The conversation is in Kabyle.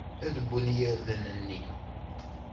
Ad wwen yirden-nni.